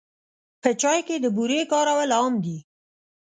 په چای کې د بوري کارول عام دي.